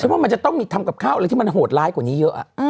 ว่ามันจะต้องมีทำกับข้าวอะไรที่มันโหดร้ายกว่านี้เยอะ